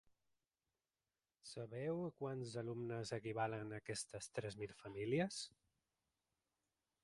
Sabeu a quants alumnes equivalen aquestes tres mil famílies?